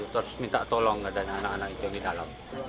terus minta tolong dan anak anak itu di dalam